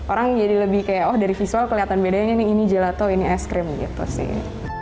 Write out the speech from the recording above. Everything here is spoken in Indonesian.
orang jadi lebih kayak oh dari visual kelihatan bedanya nih ini gelato ini es krim gitu sih